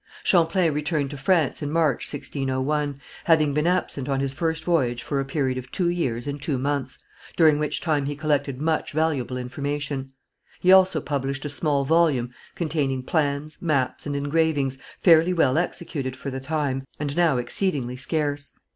Champlain returned to France in March, 1601, having been absent on his first voyage for a period of two years and two months, during which time he collected much valuable information. He also published a small volume containing plans, maps and engravings, fairly well executed for the time, and now exceedingly scarce.